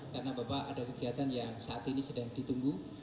karena bapak ada kegiatan yang saat ini sedang ditunggu